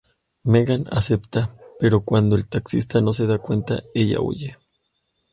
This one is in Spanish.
Meghan acepta, pero cuando el taxista no se da cuenta, ella huye.